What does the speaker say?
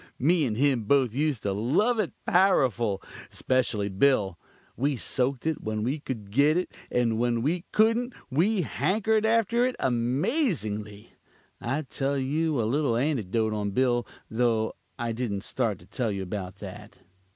Me and him both used to love it powerful especially Bill. We soaked it when we could git it, and when we coudent we hankered after it amazingly. I must tell you a little antidote on Bill, tho I dident start to tell you about that.